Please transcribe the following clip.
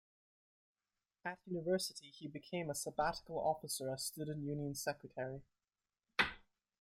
At university he became a sabbatical officer as Student Union Secretary.